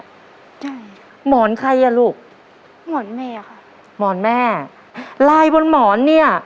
ใช่หมอนใครอ่ะลูกหมอนแม่ค่ะหมอนแม่ลายบนหมอนเนี้ย